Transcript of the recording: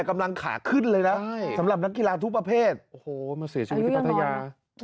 กำลังขาขึ้นเลยนะสำหรับนักกีฬาทุกประเภทโอ้โหมาเสียชีวิตที่ปัทยาอายุยังนอน